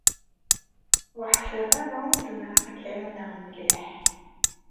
Ur ḥsiɣ ara zemreɣ ak-ɛiwneɣ mliḥ.